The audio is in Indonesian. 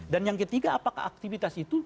yang ketiga apakah aktivitas itu